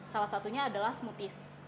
salah satunya adalah smoothies